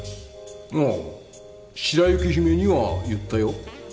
ああ白雪姫には言ったよ。